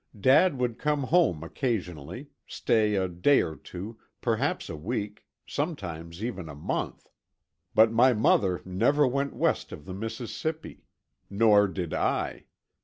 Dad would come home occasionally, stay a day or two, perhaps a week, sometimes even a month; but my mother never went west of the Mississippi—nor did I.